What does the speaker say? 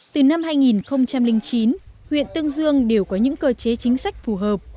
từ năm hai nghìn chín huyện tương dương đều có những cơ chế chính sách phù hợp